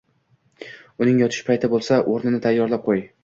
Uning yotish payti bo‘lsa, o‘rnini tayyorlab qo‘y.